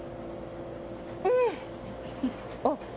うん。